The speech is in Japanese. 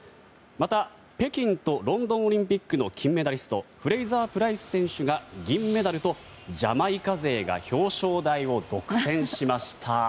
また、北京とロンドンオリンピックの金メダリストフレイザー・プライス選手が銀メダルとジャマイカ勢が表彰台を独占しました。